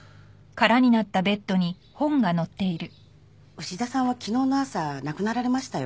牛田さんは昨日の朝亡くなられましたよ。